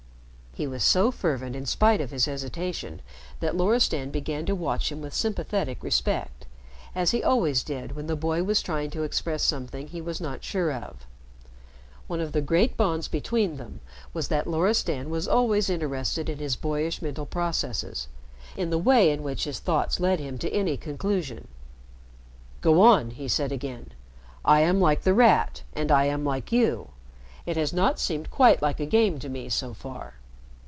He was so fervent in spite of his hesitation that Loristan began to watch him with sympathetic respect, as he always did when the boy was trying to express something he was not sure of. One of the great bonds between them was that Loristan was always interested in his boyish mental processes in the way in which his thoughts led him to any conclusion. "Go on," he said again. "I am like The Rat and I am like you. It has not seemed quite like a game to me, so far."